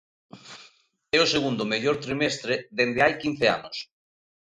É o segundo mellor trimestre dende hai quince anos.